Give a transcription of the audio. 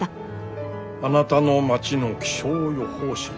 「あなたの町の気象予報士」